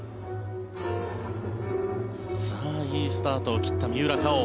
いいスタートを切った三浦佳生。